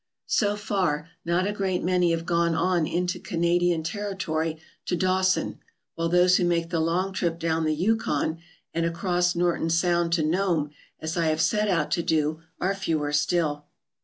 So far, not a great many have gone on into Canadian territory to Dawson, while those who make the long trip down the Yukon and across Norton Sound to Nome, as I have set out to do, are fewer still.